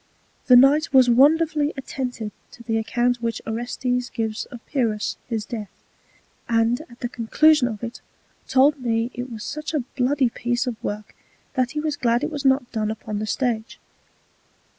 The Knight was wonderfully attentive to the Account which Orestes gives of Pyrrhus his Death, and at the Conclusion of it, told me it was such a bloody Piece of Work, that he was glad it was not done upon the Stage.